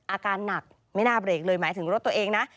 อาการหนักไม่น่าเบรกเลยหมายถึงรถตัวเองนะ